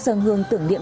dâng hương tưởng niệm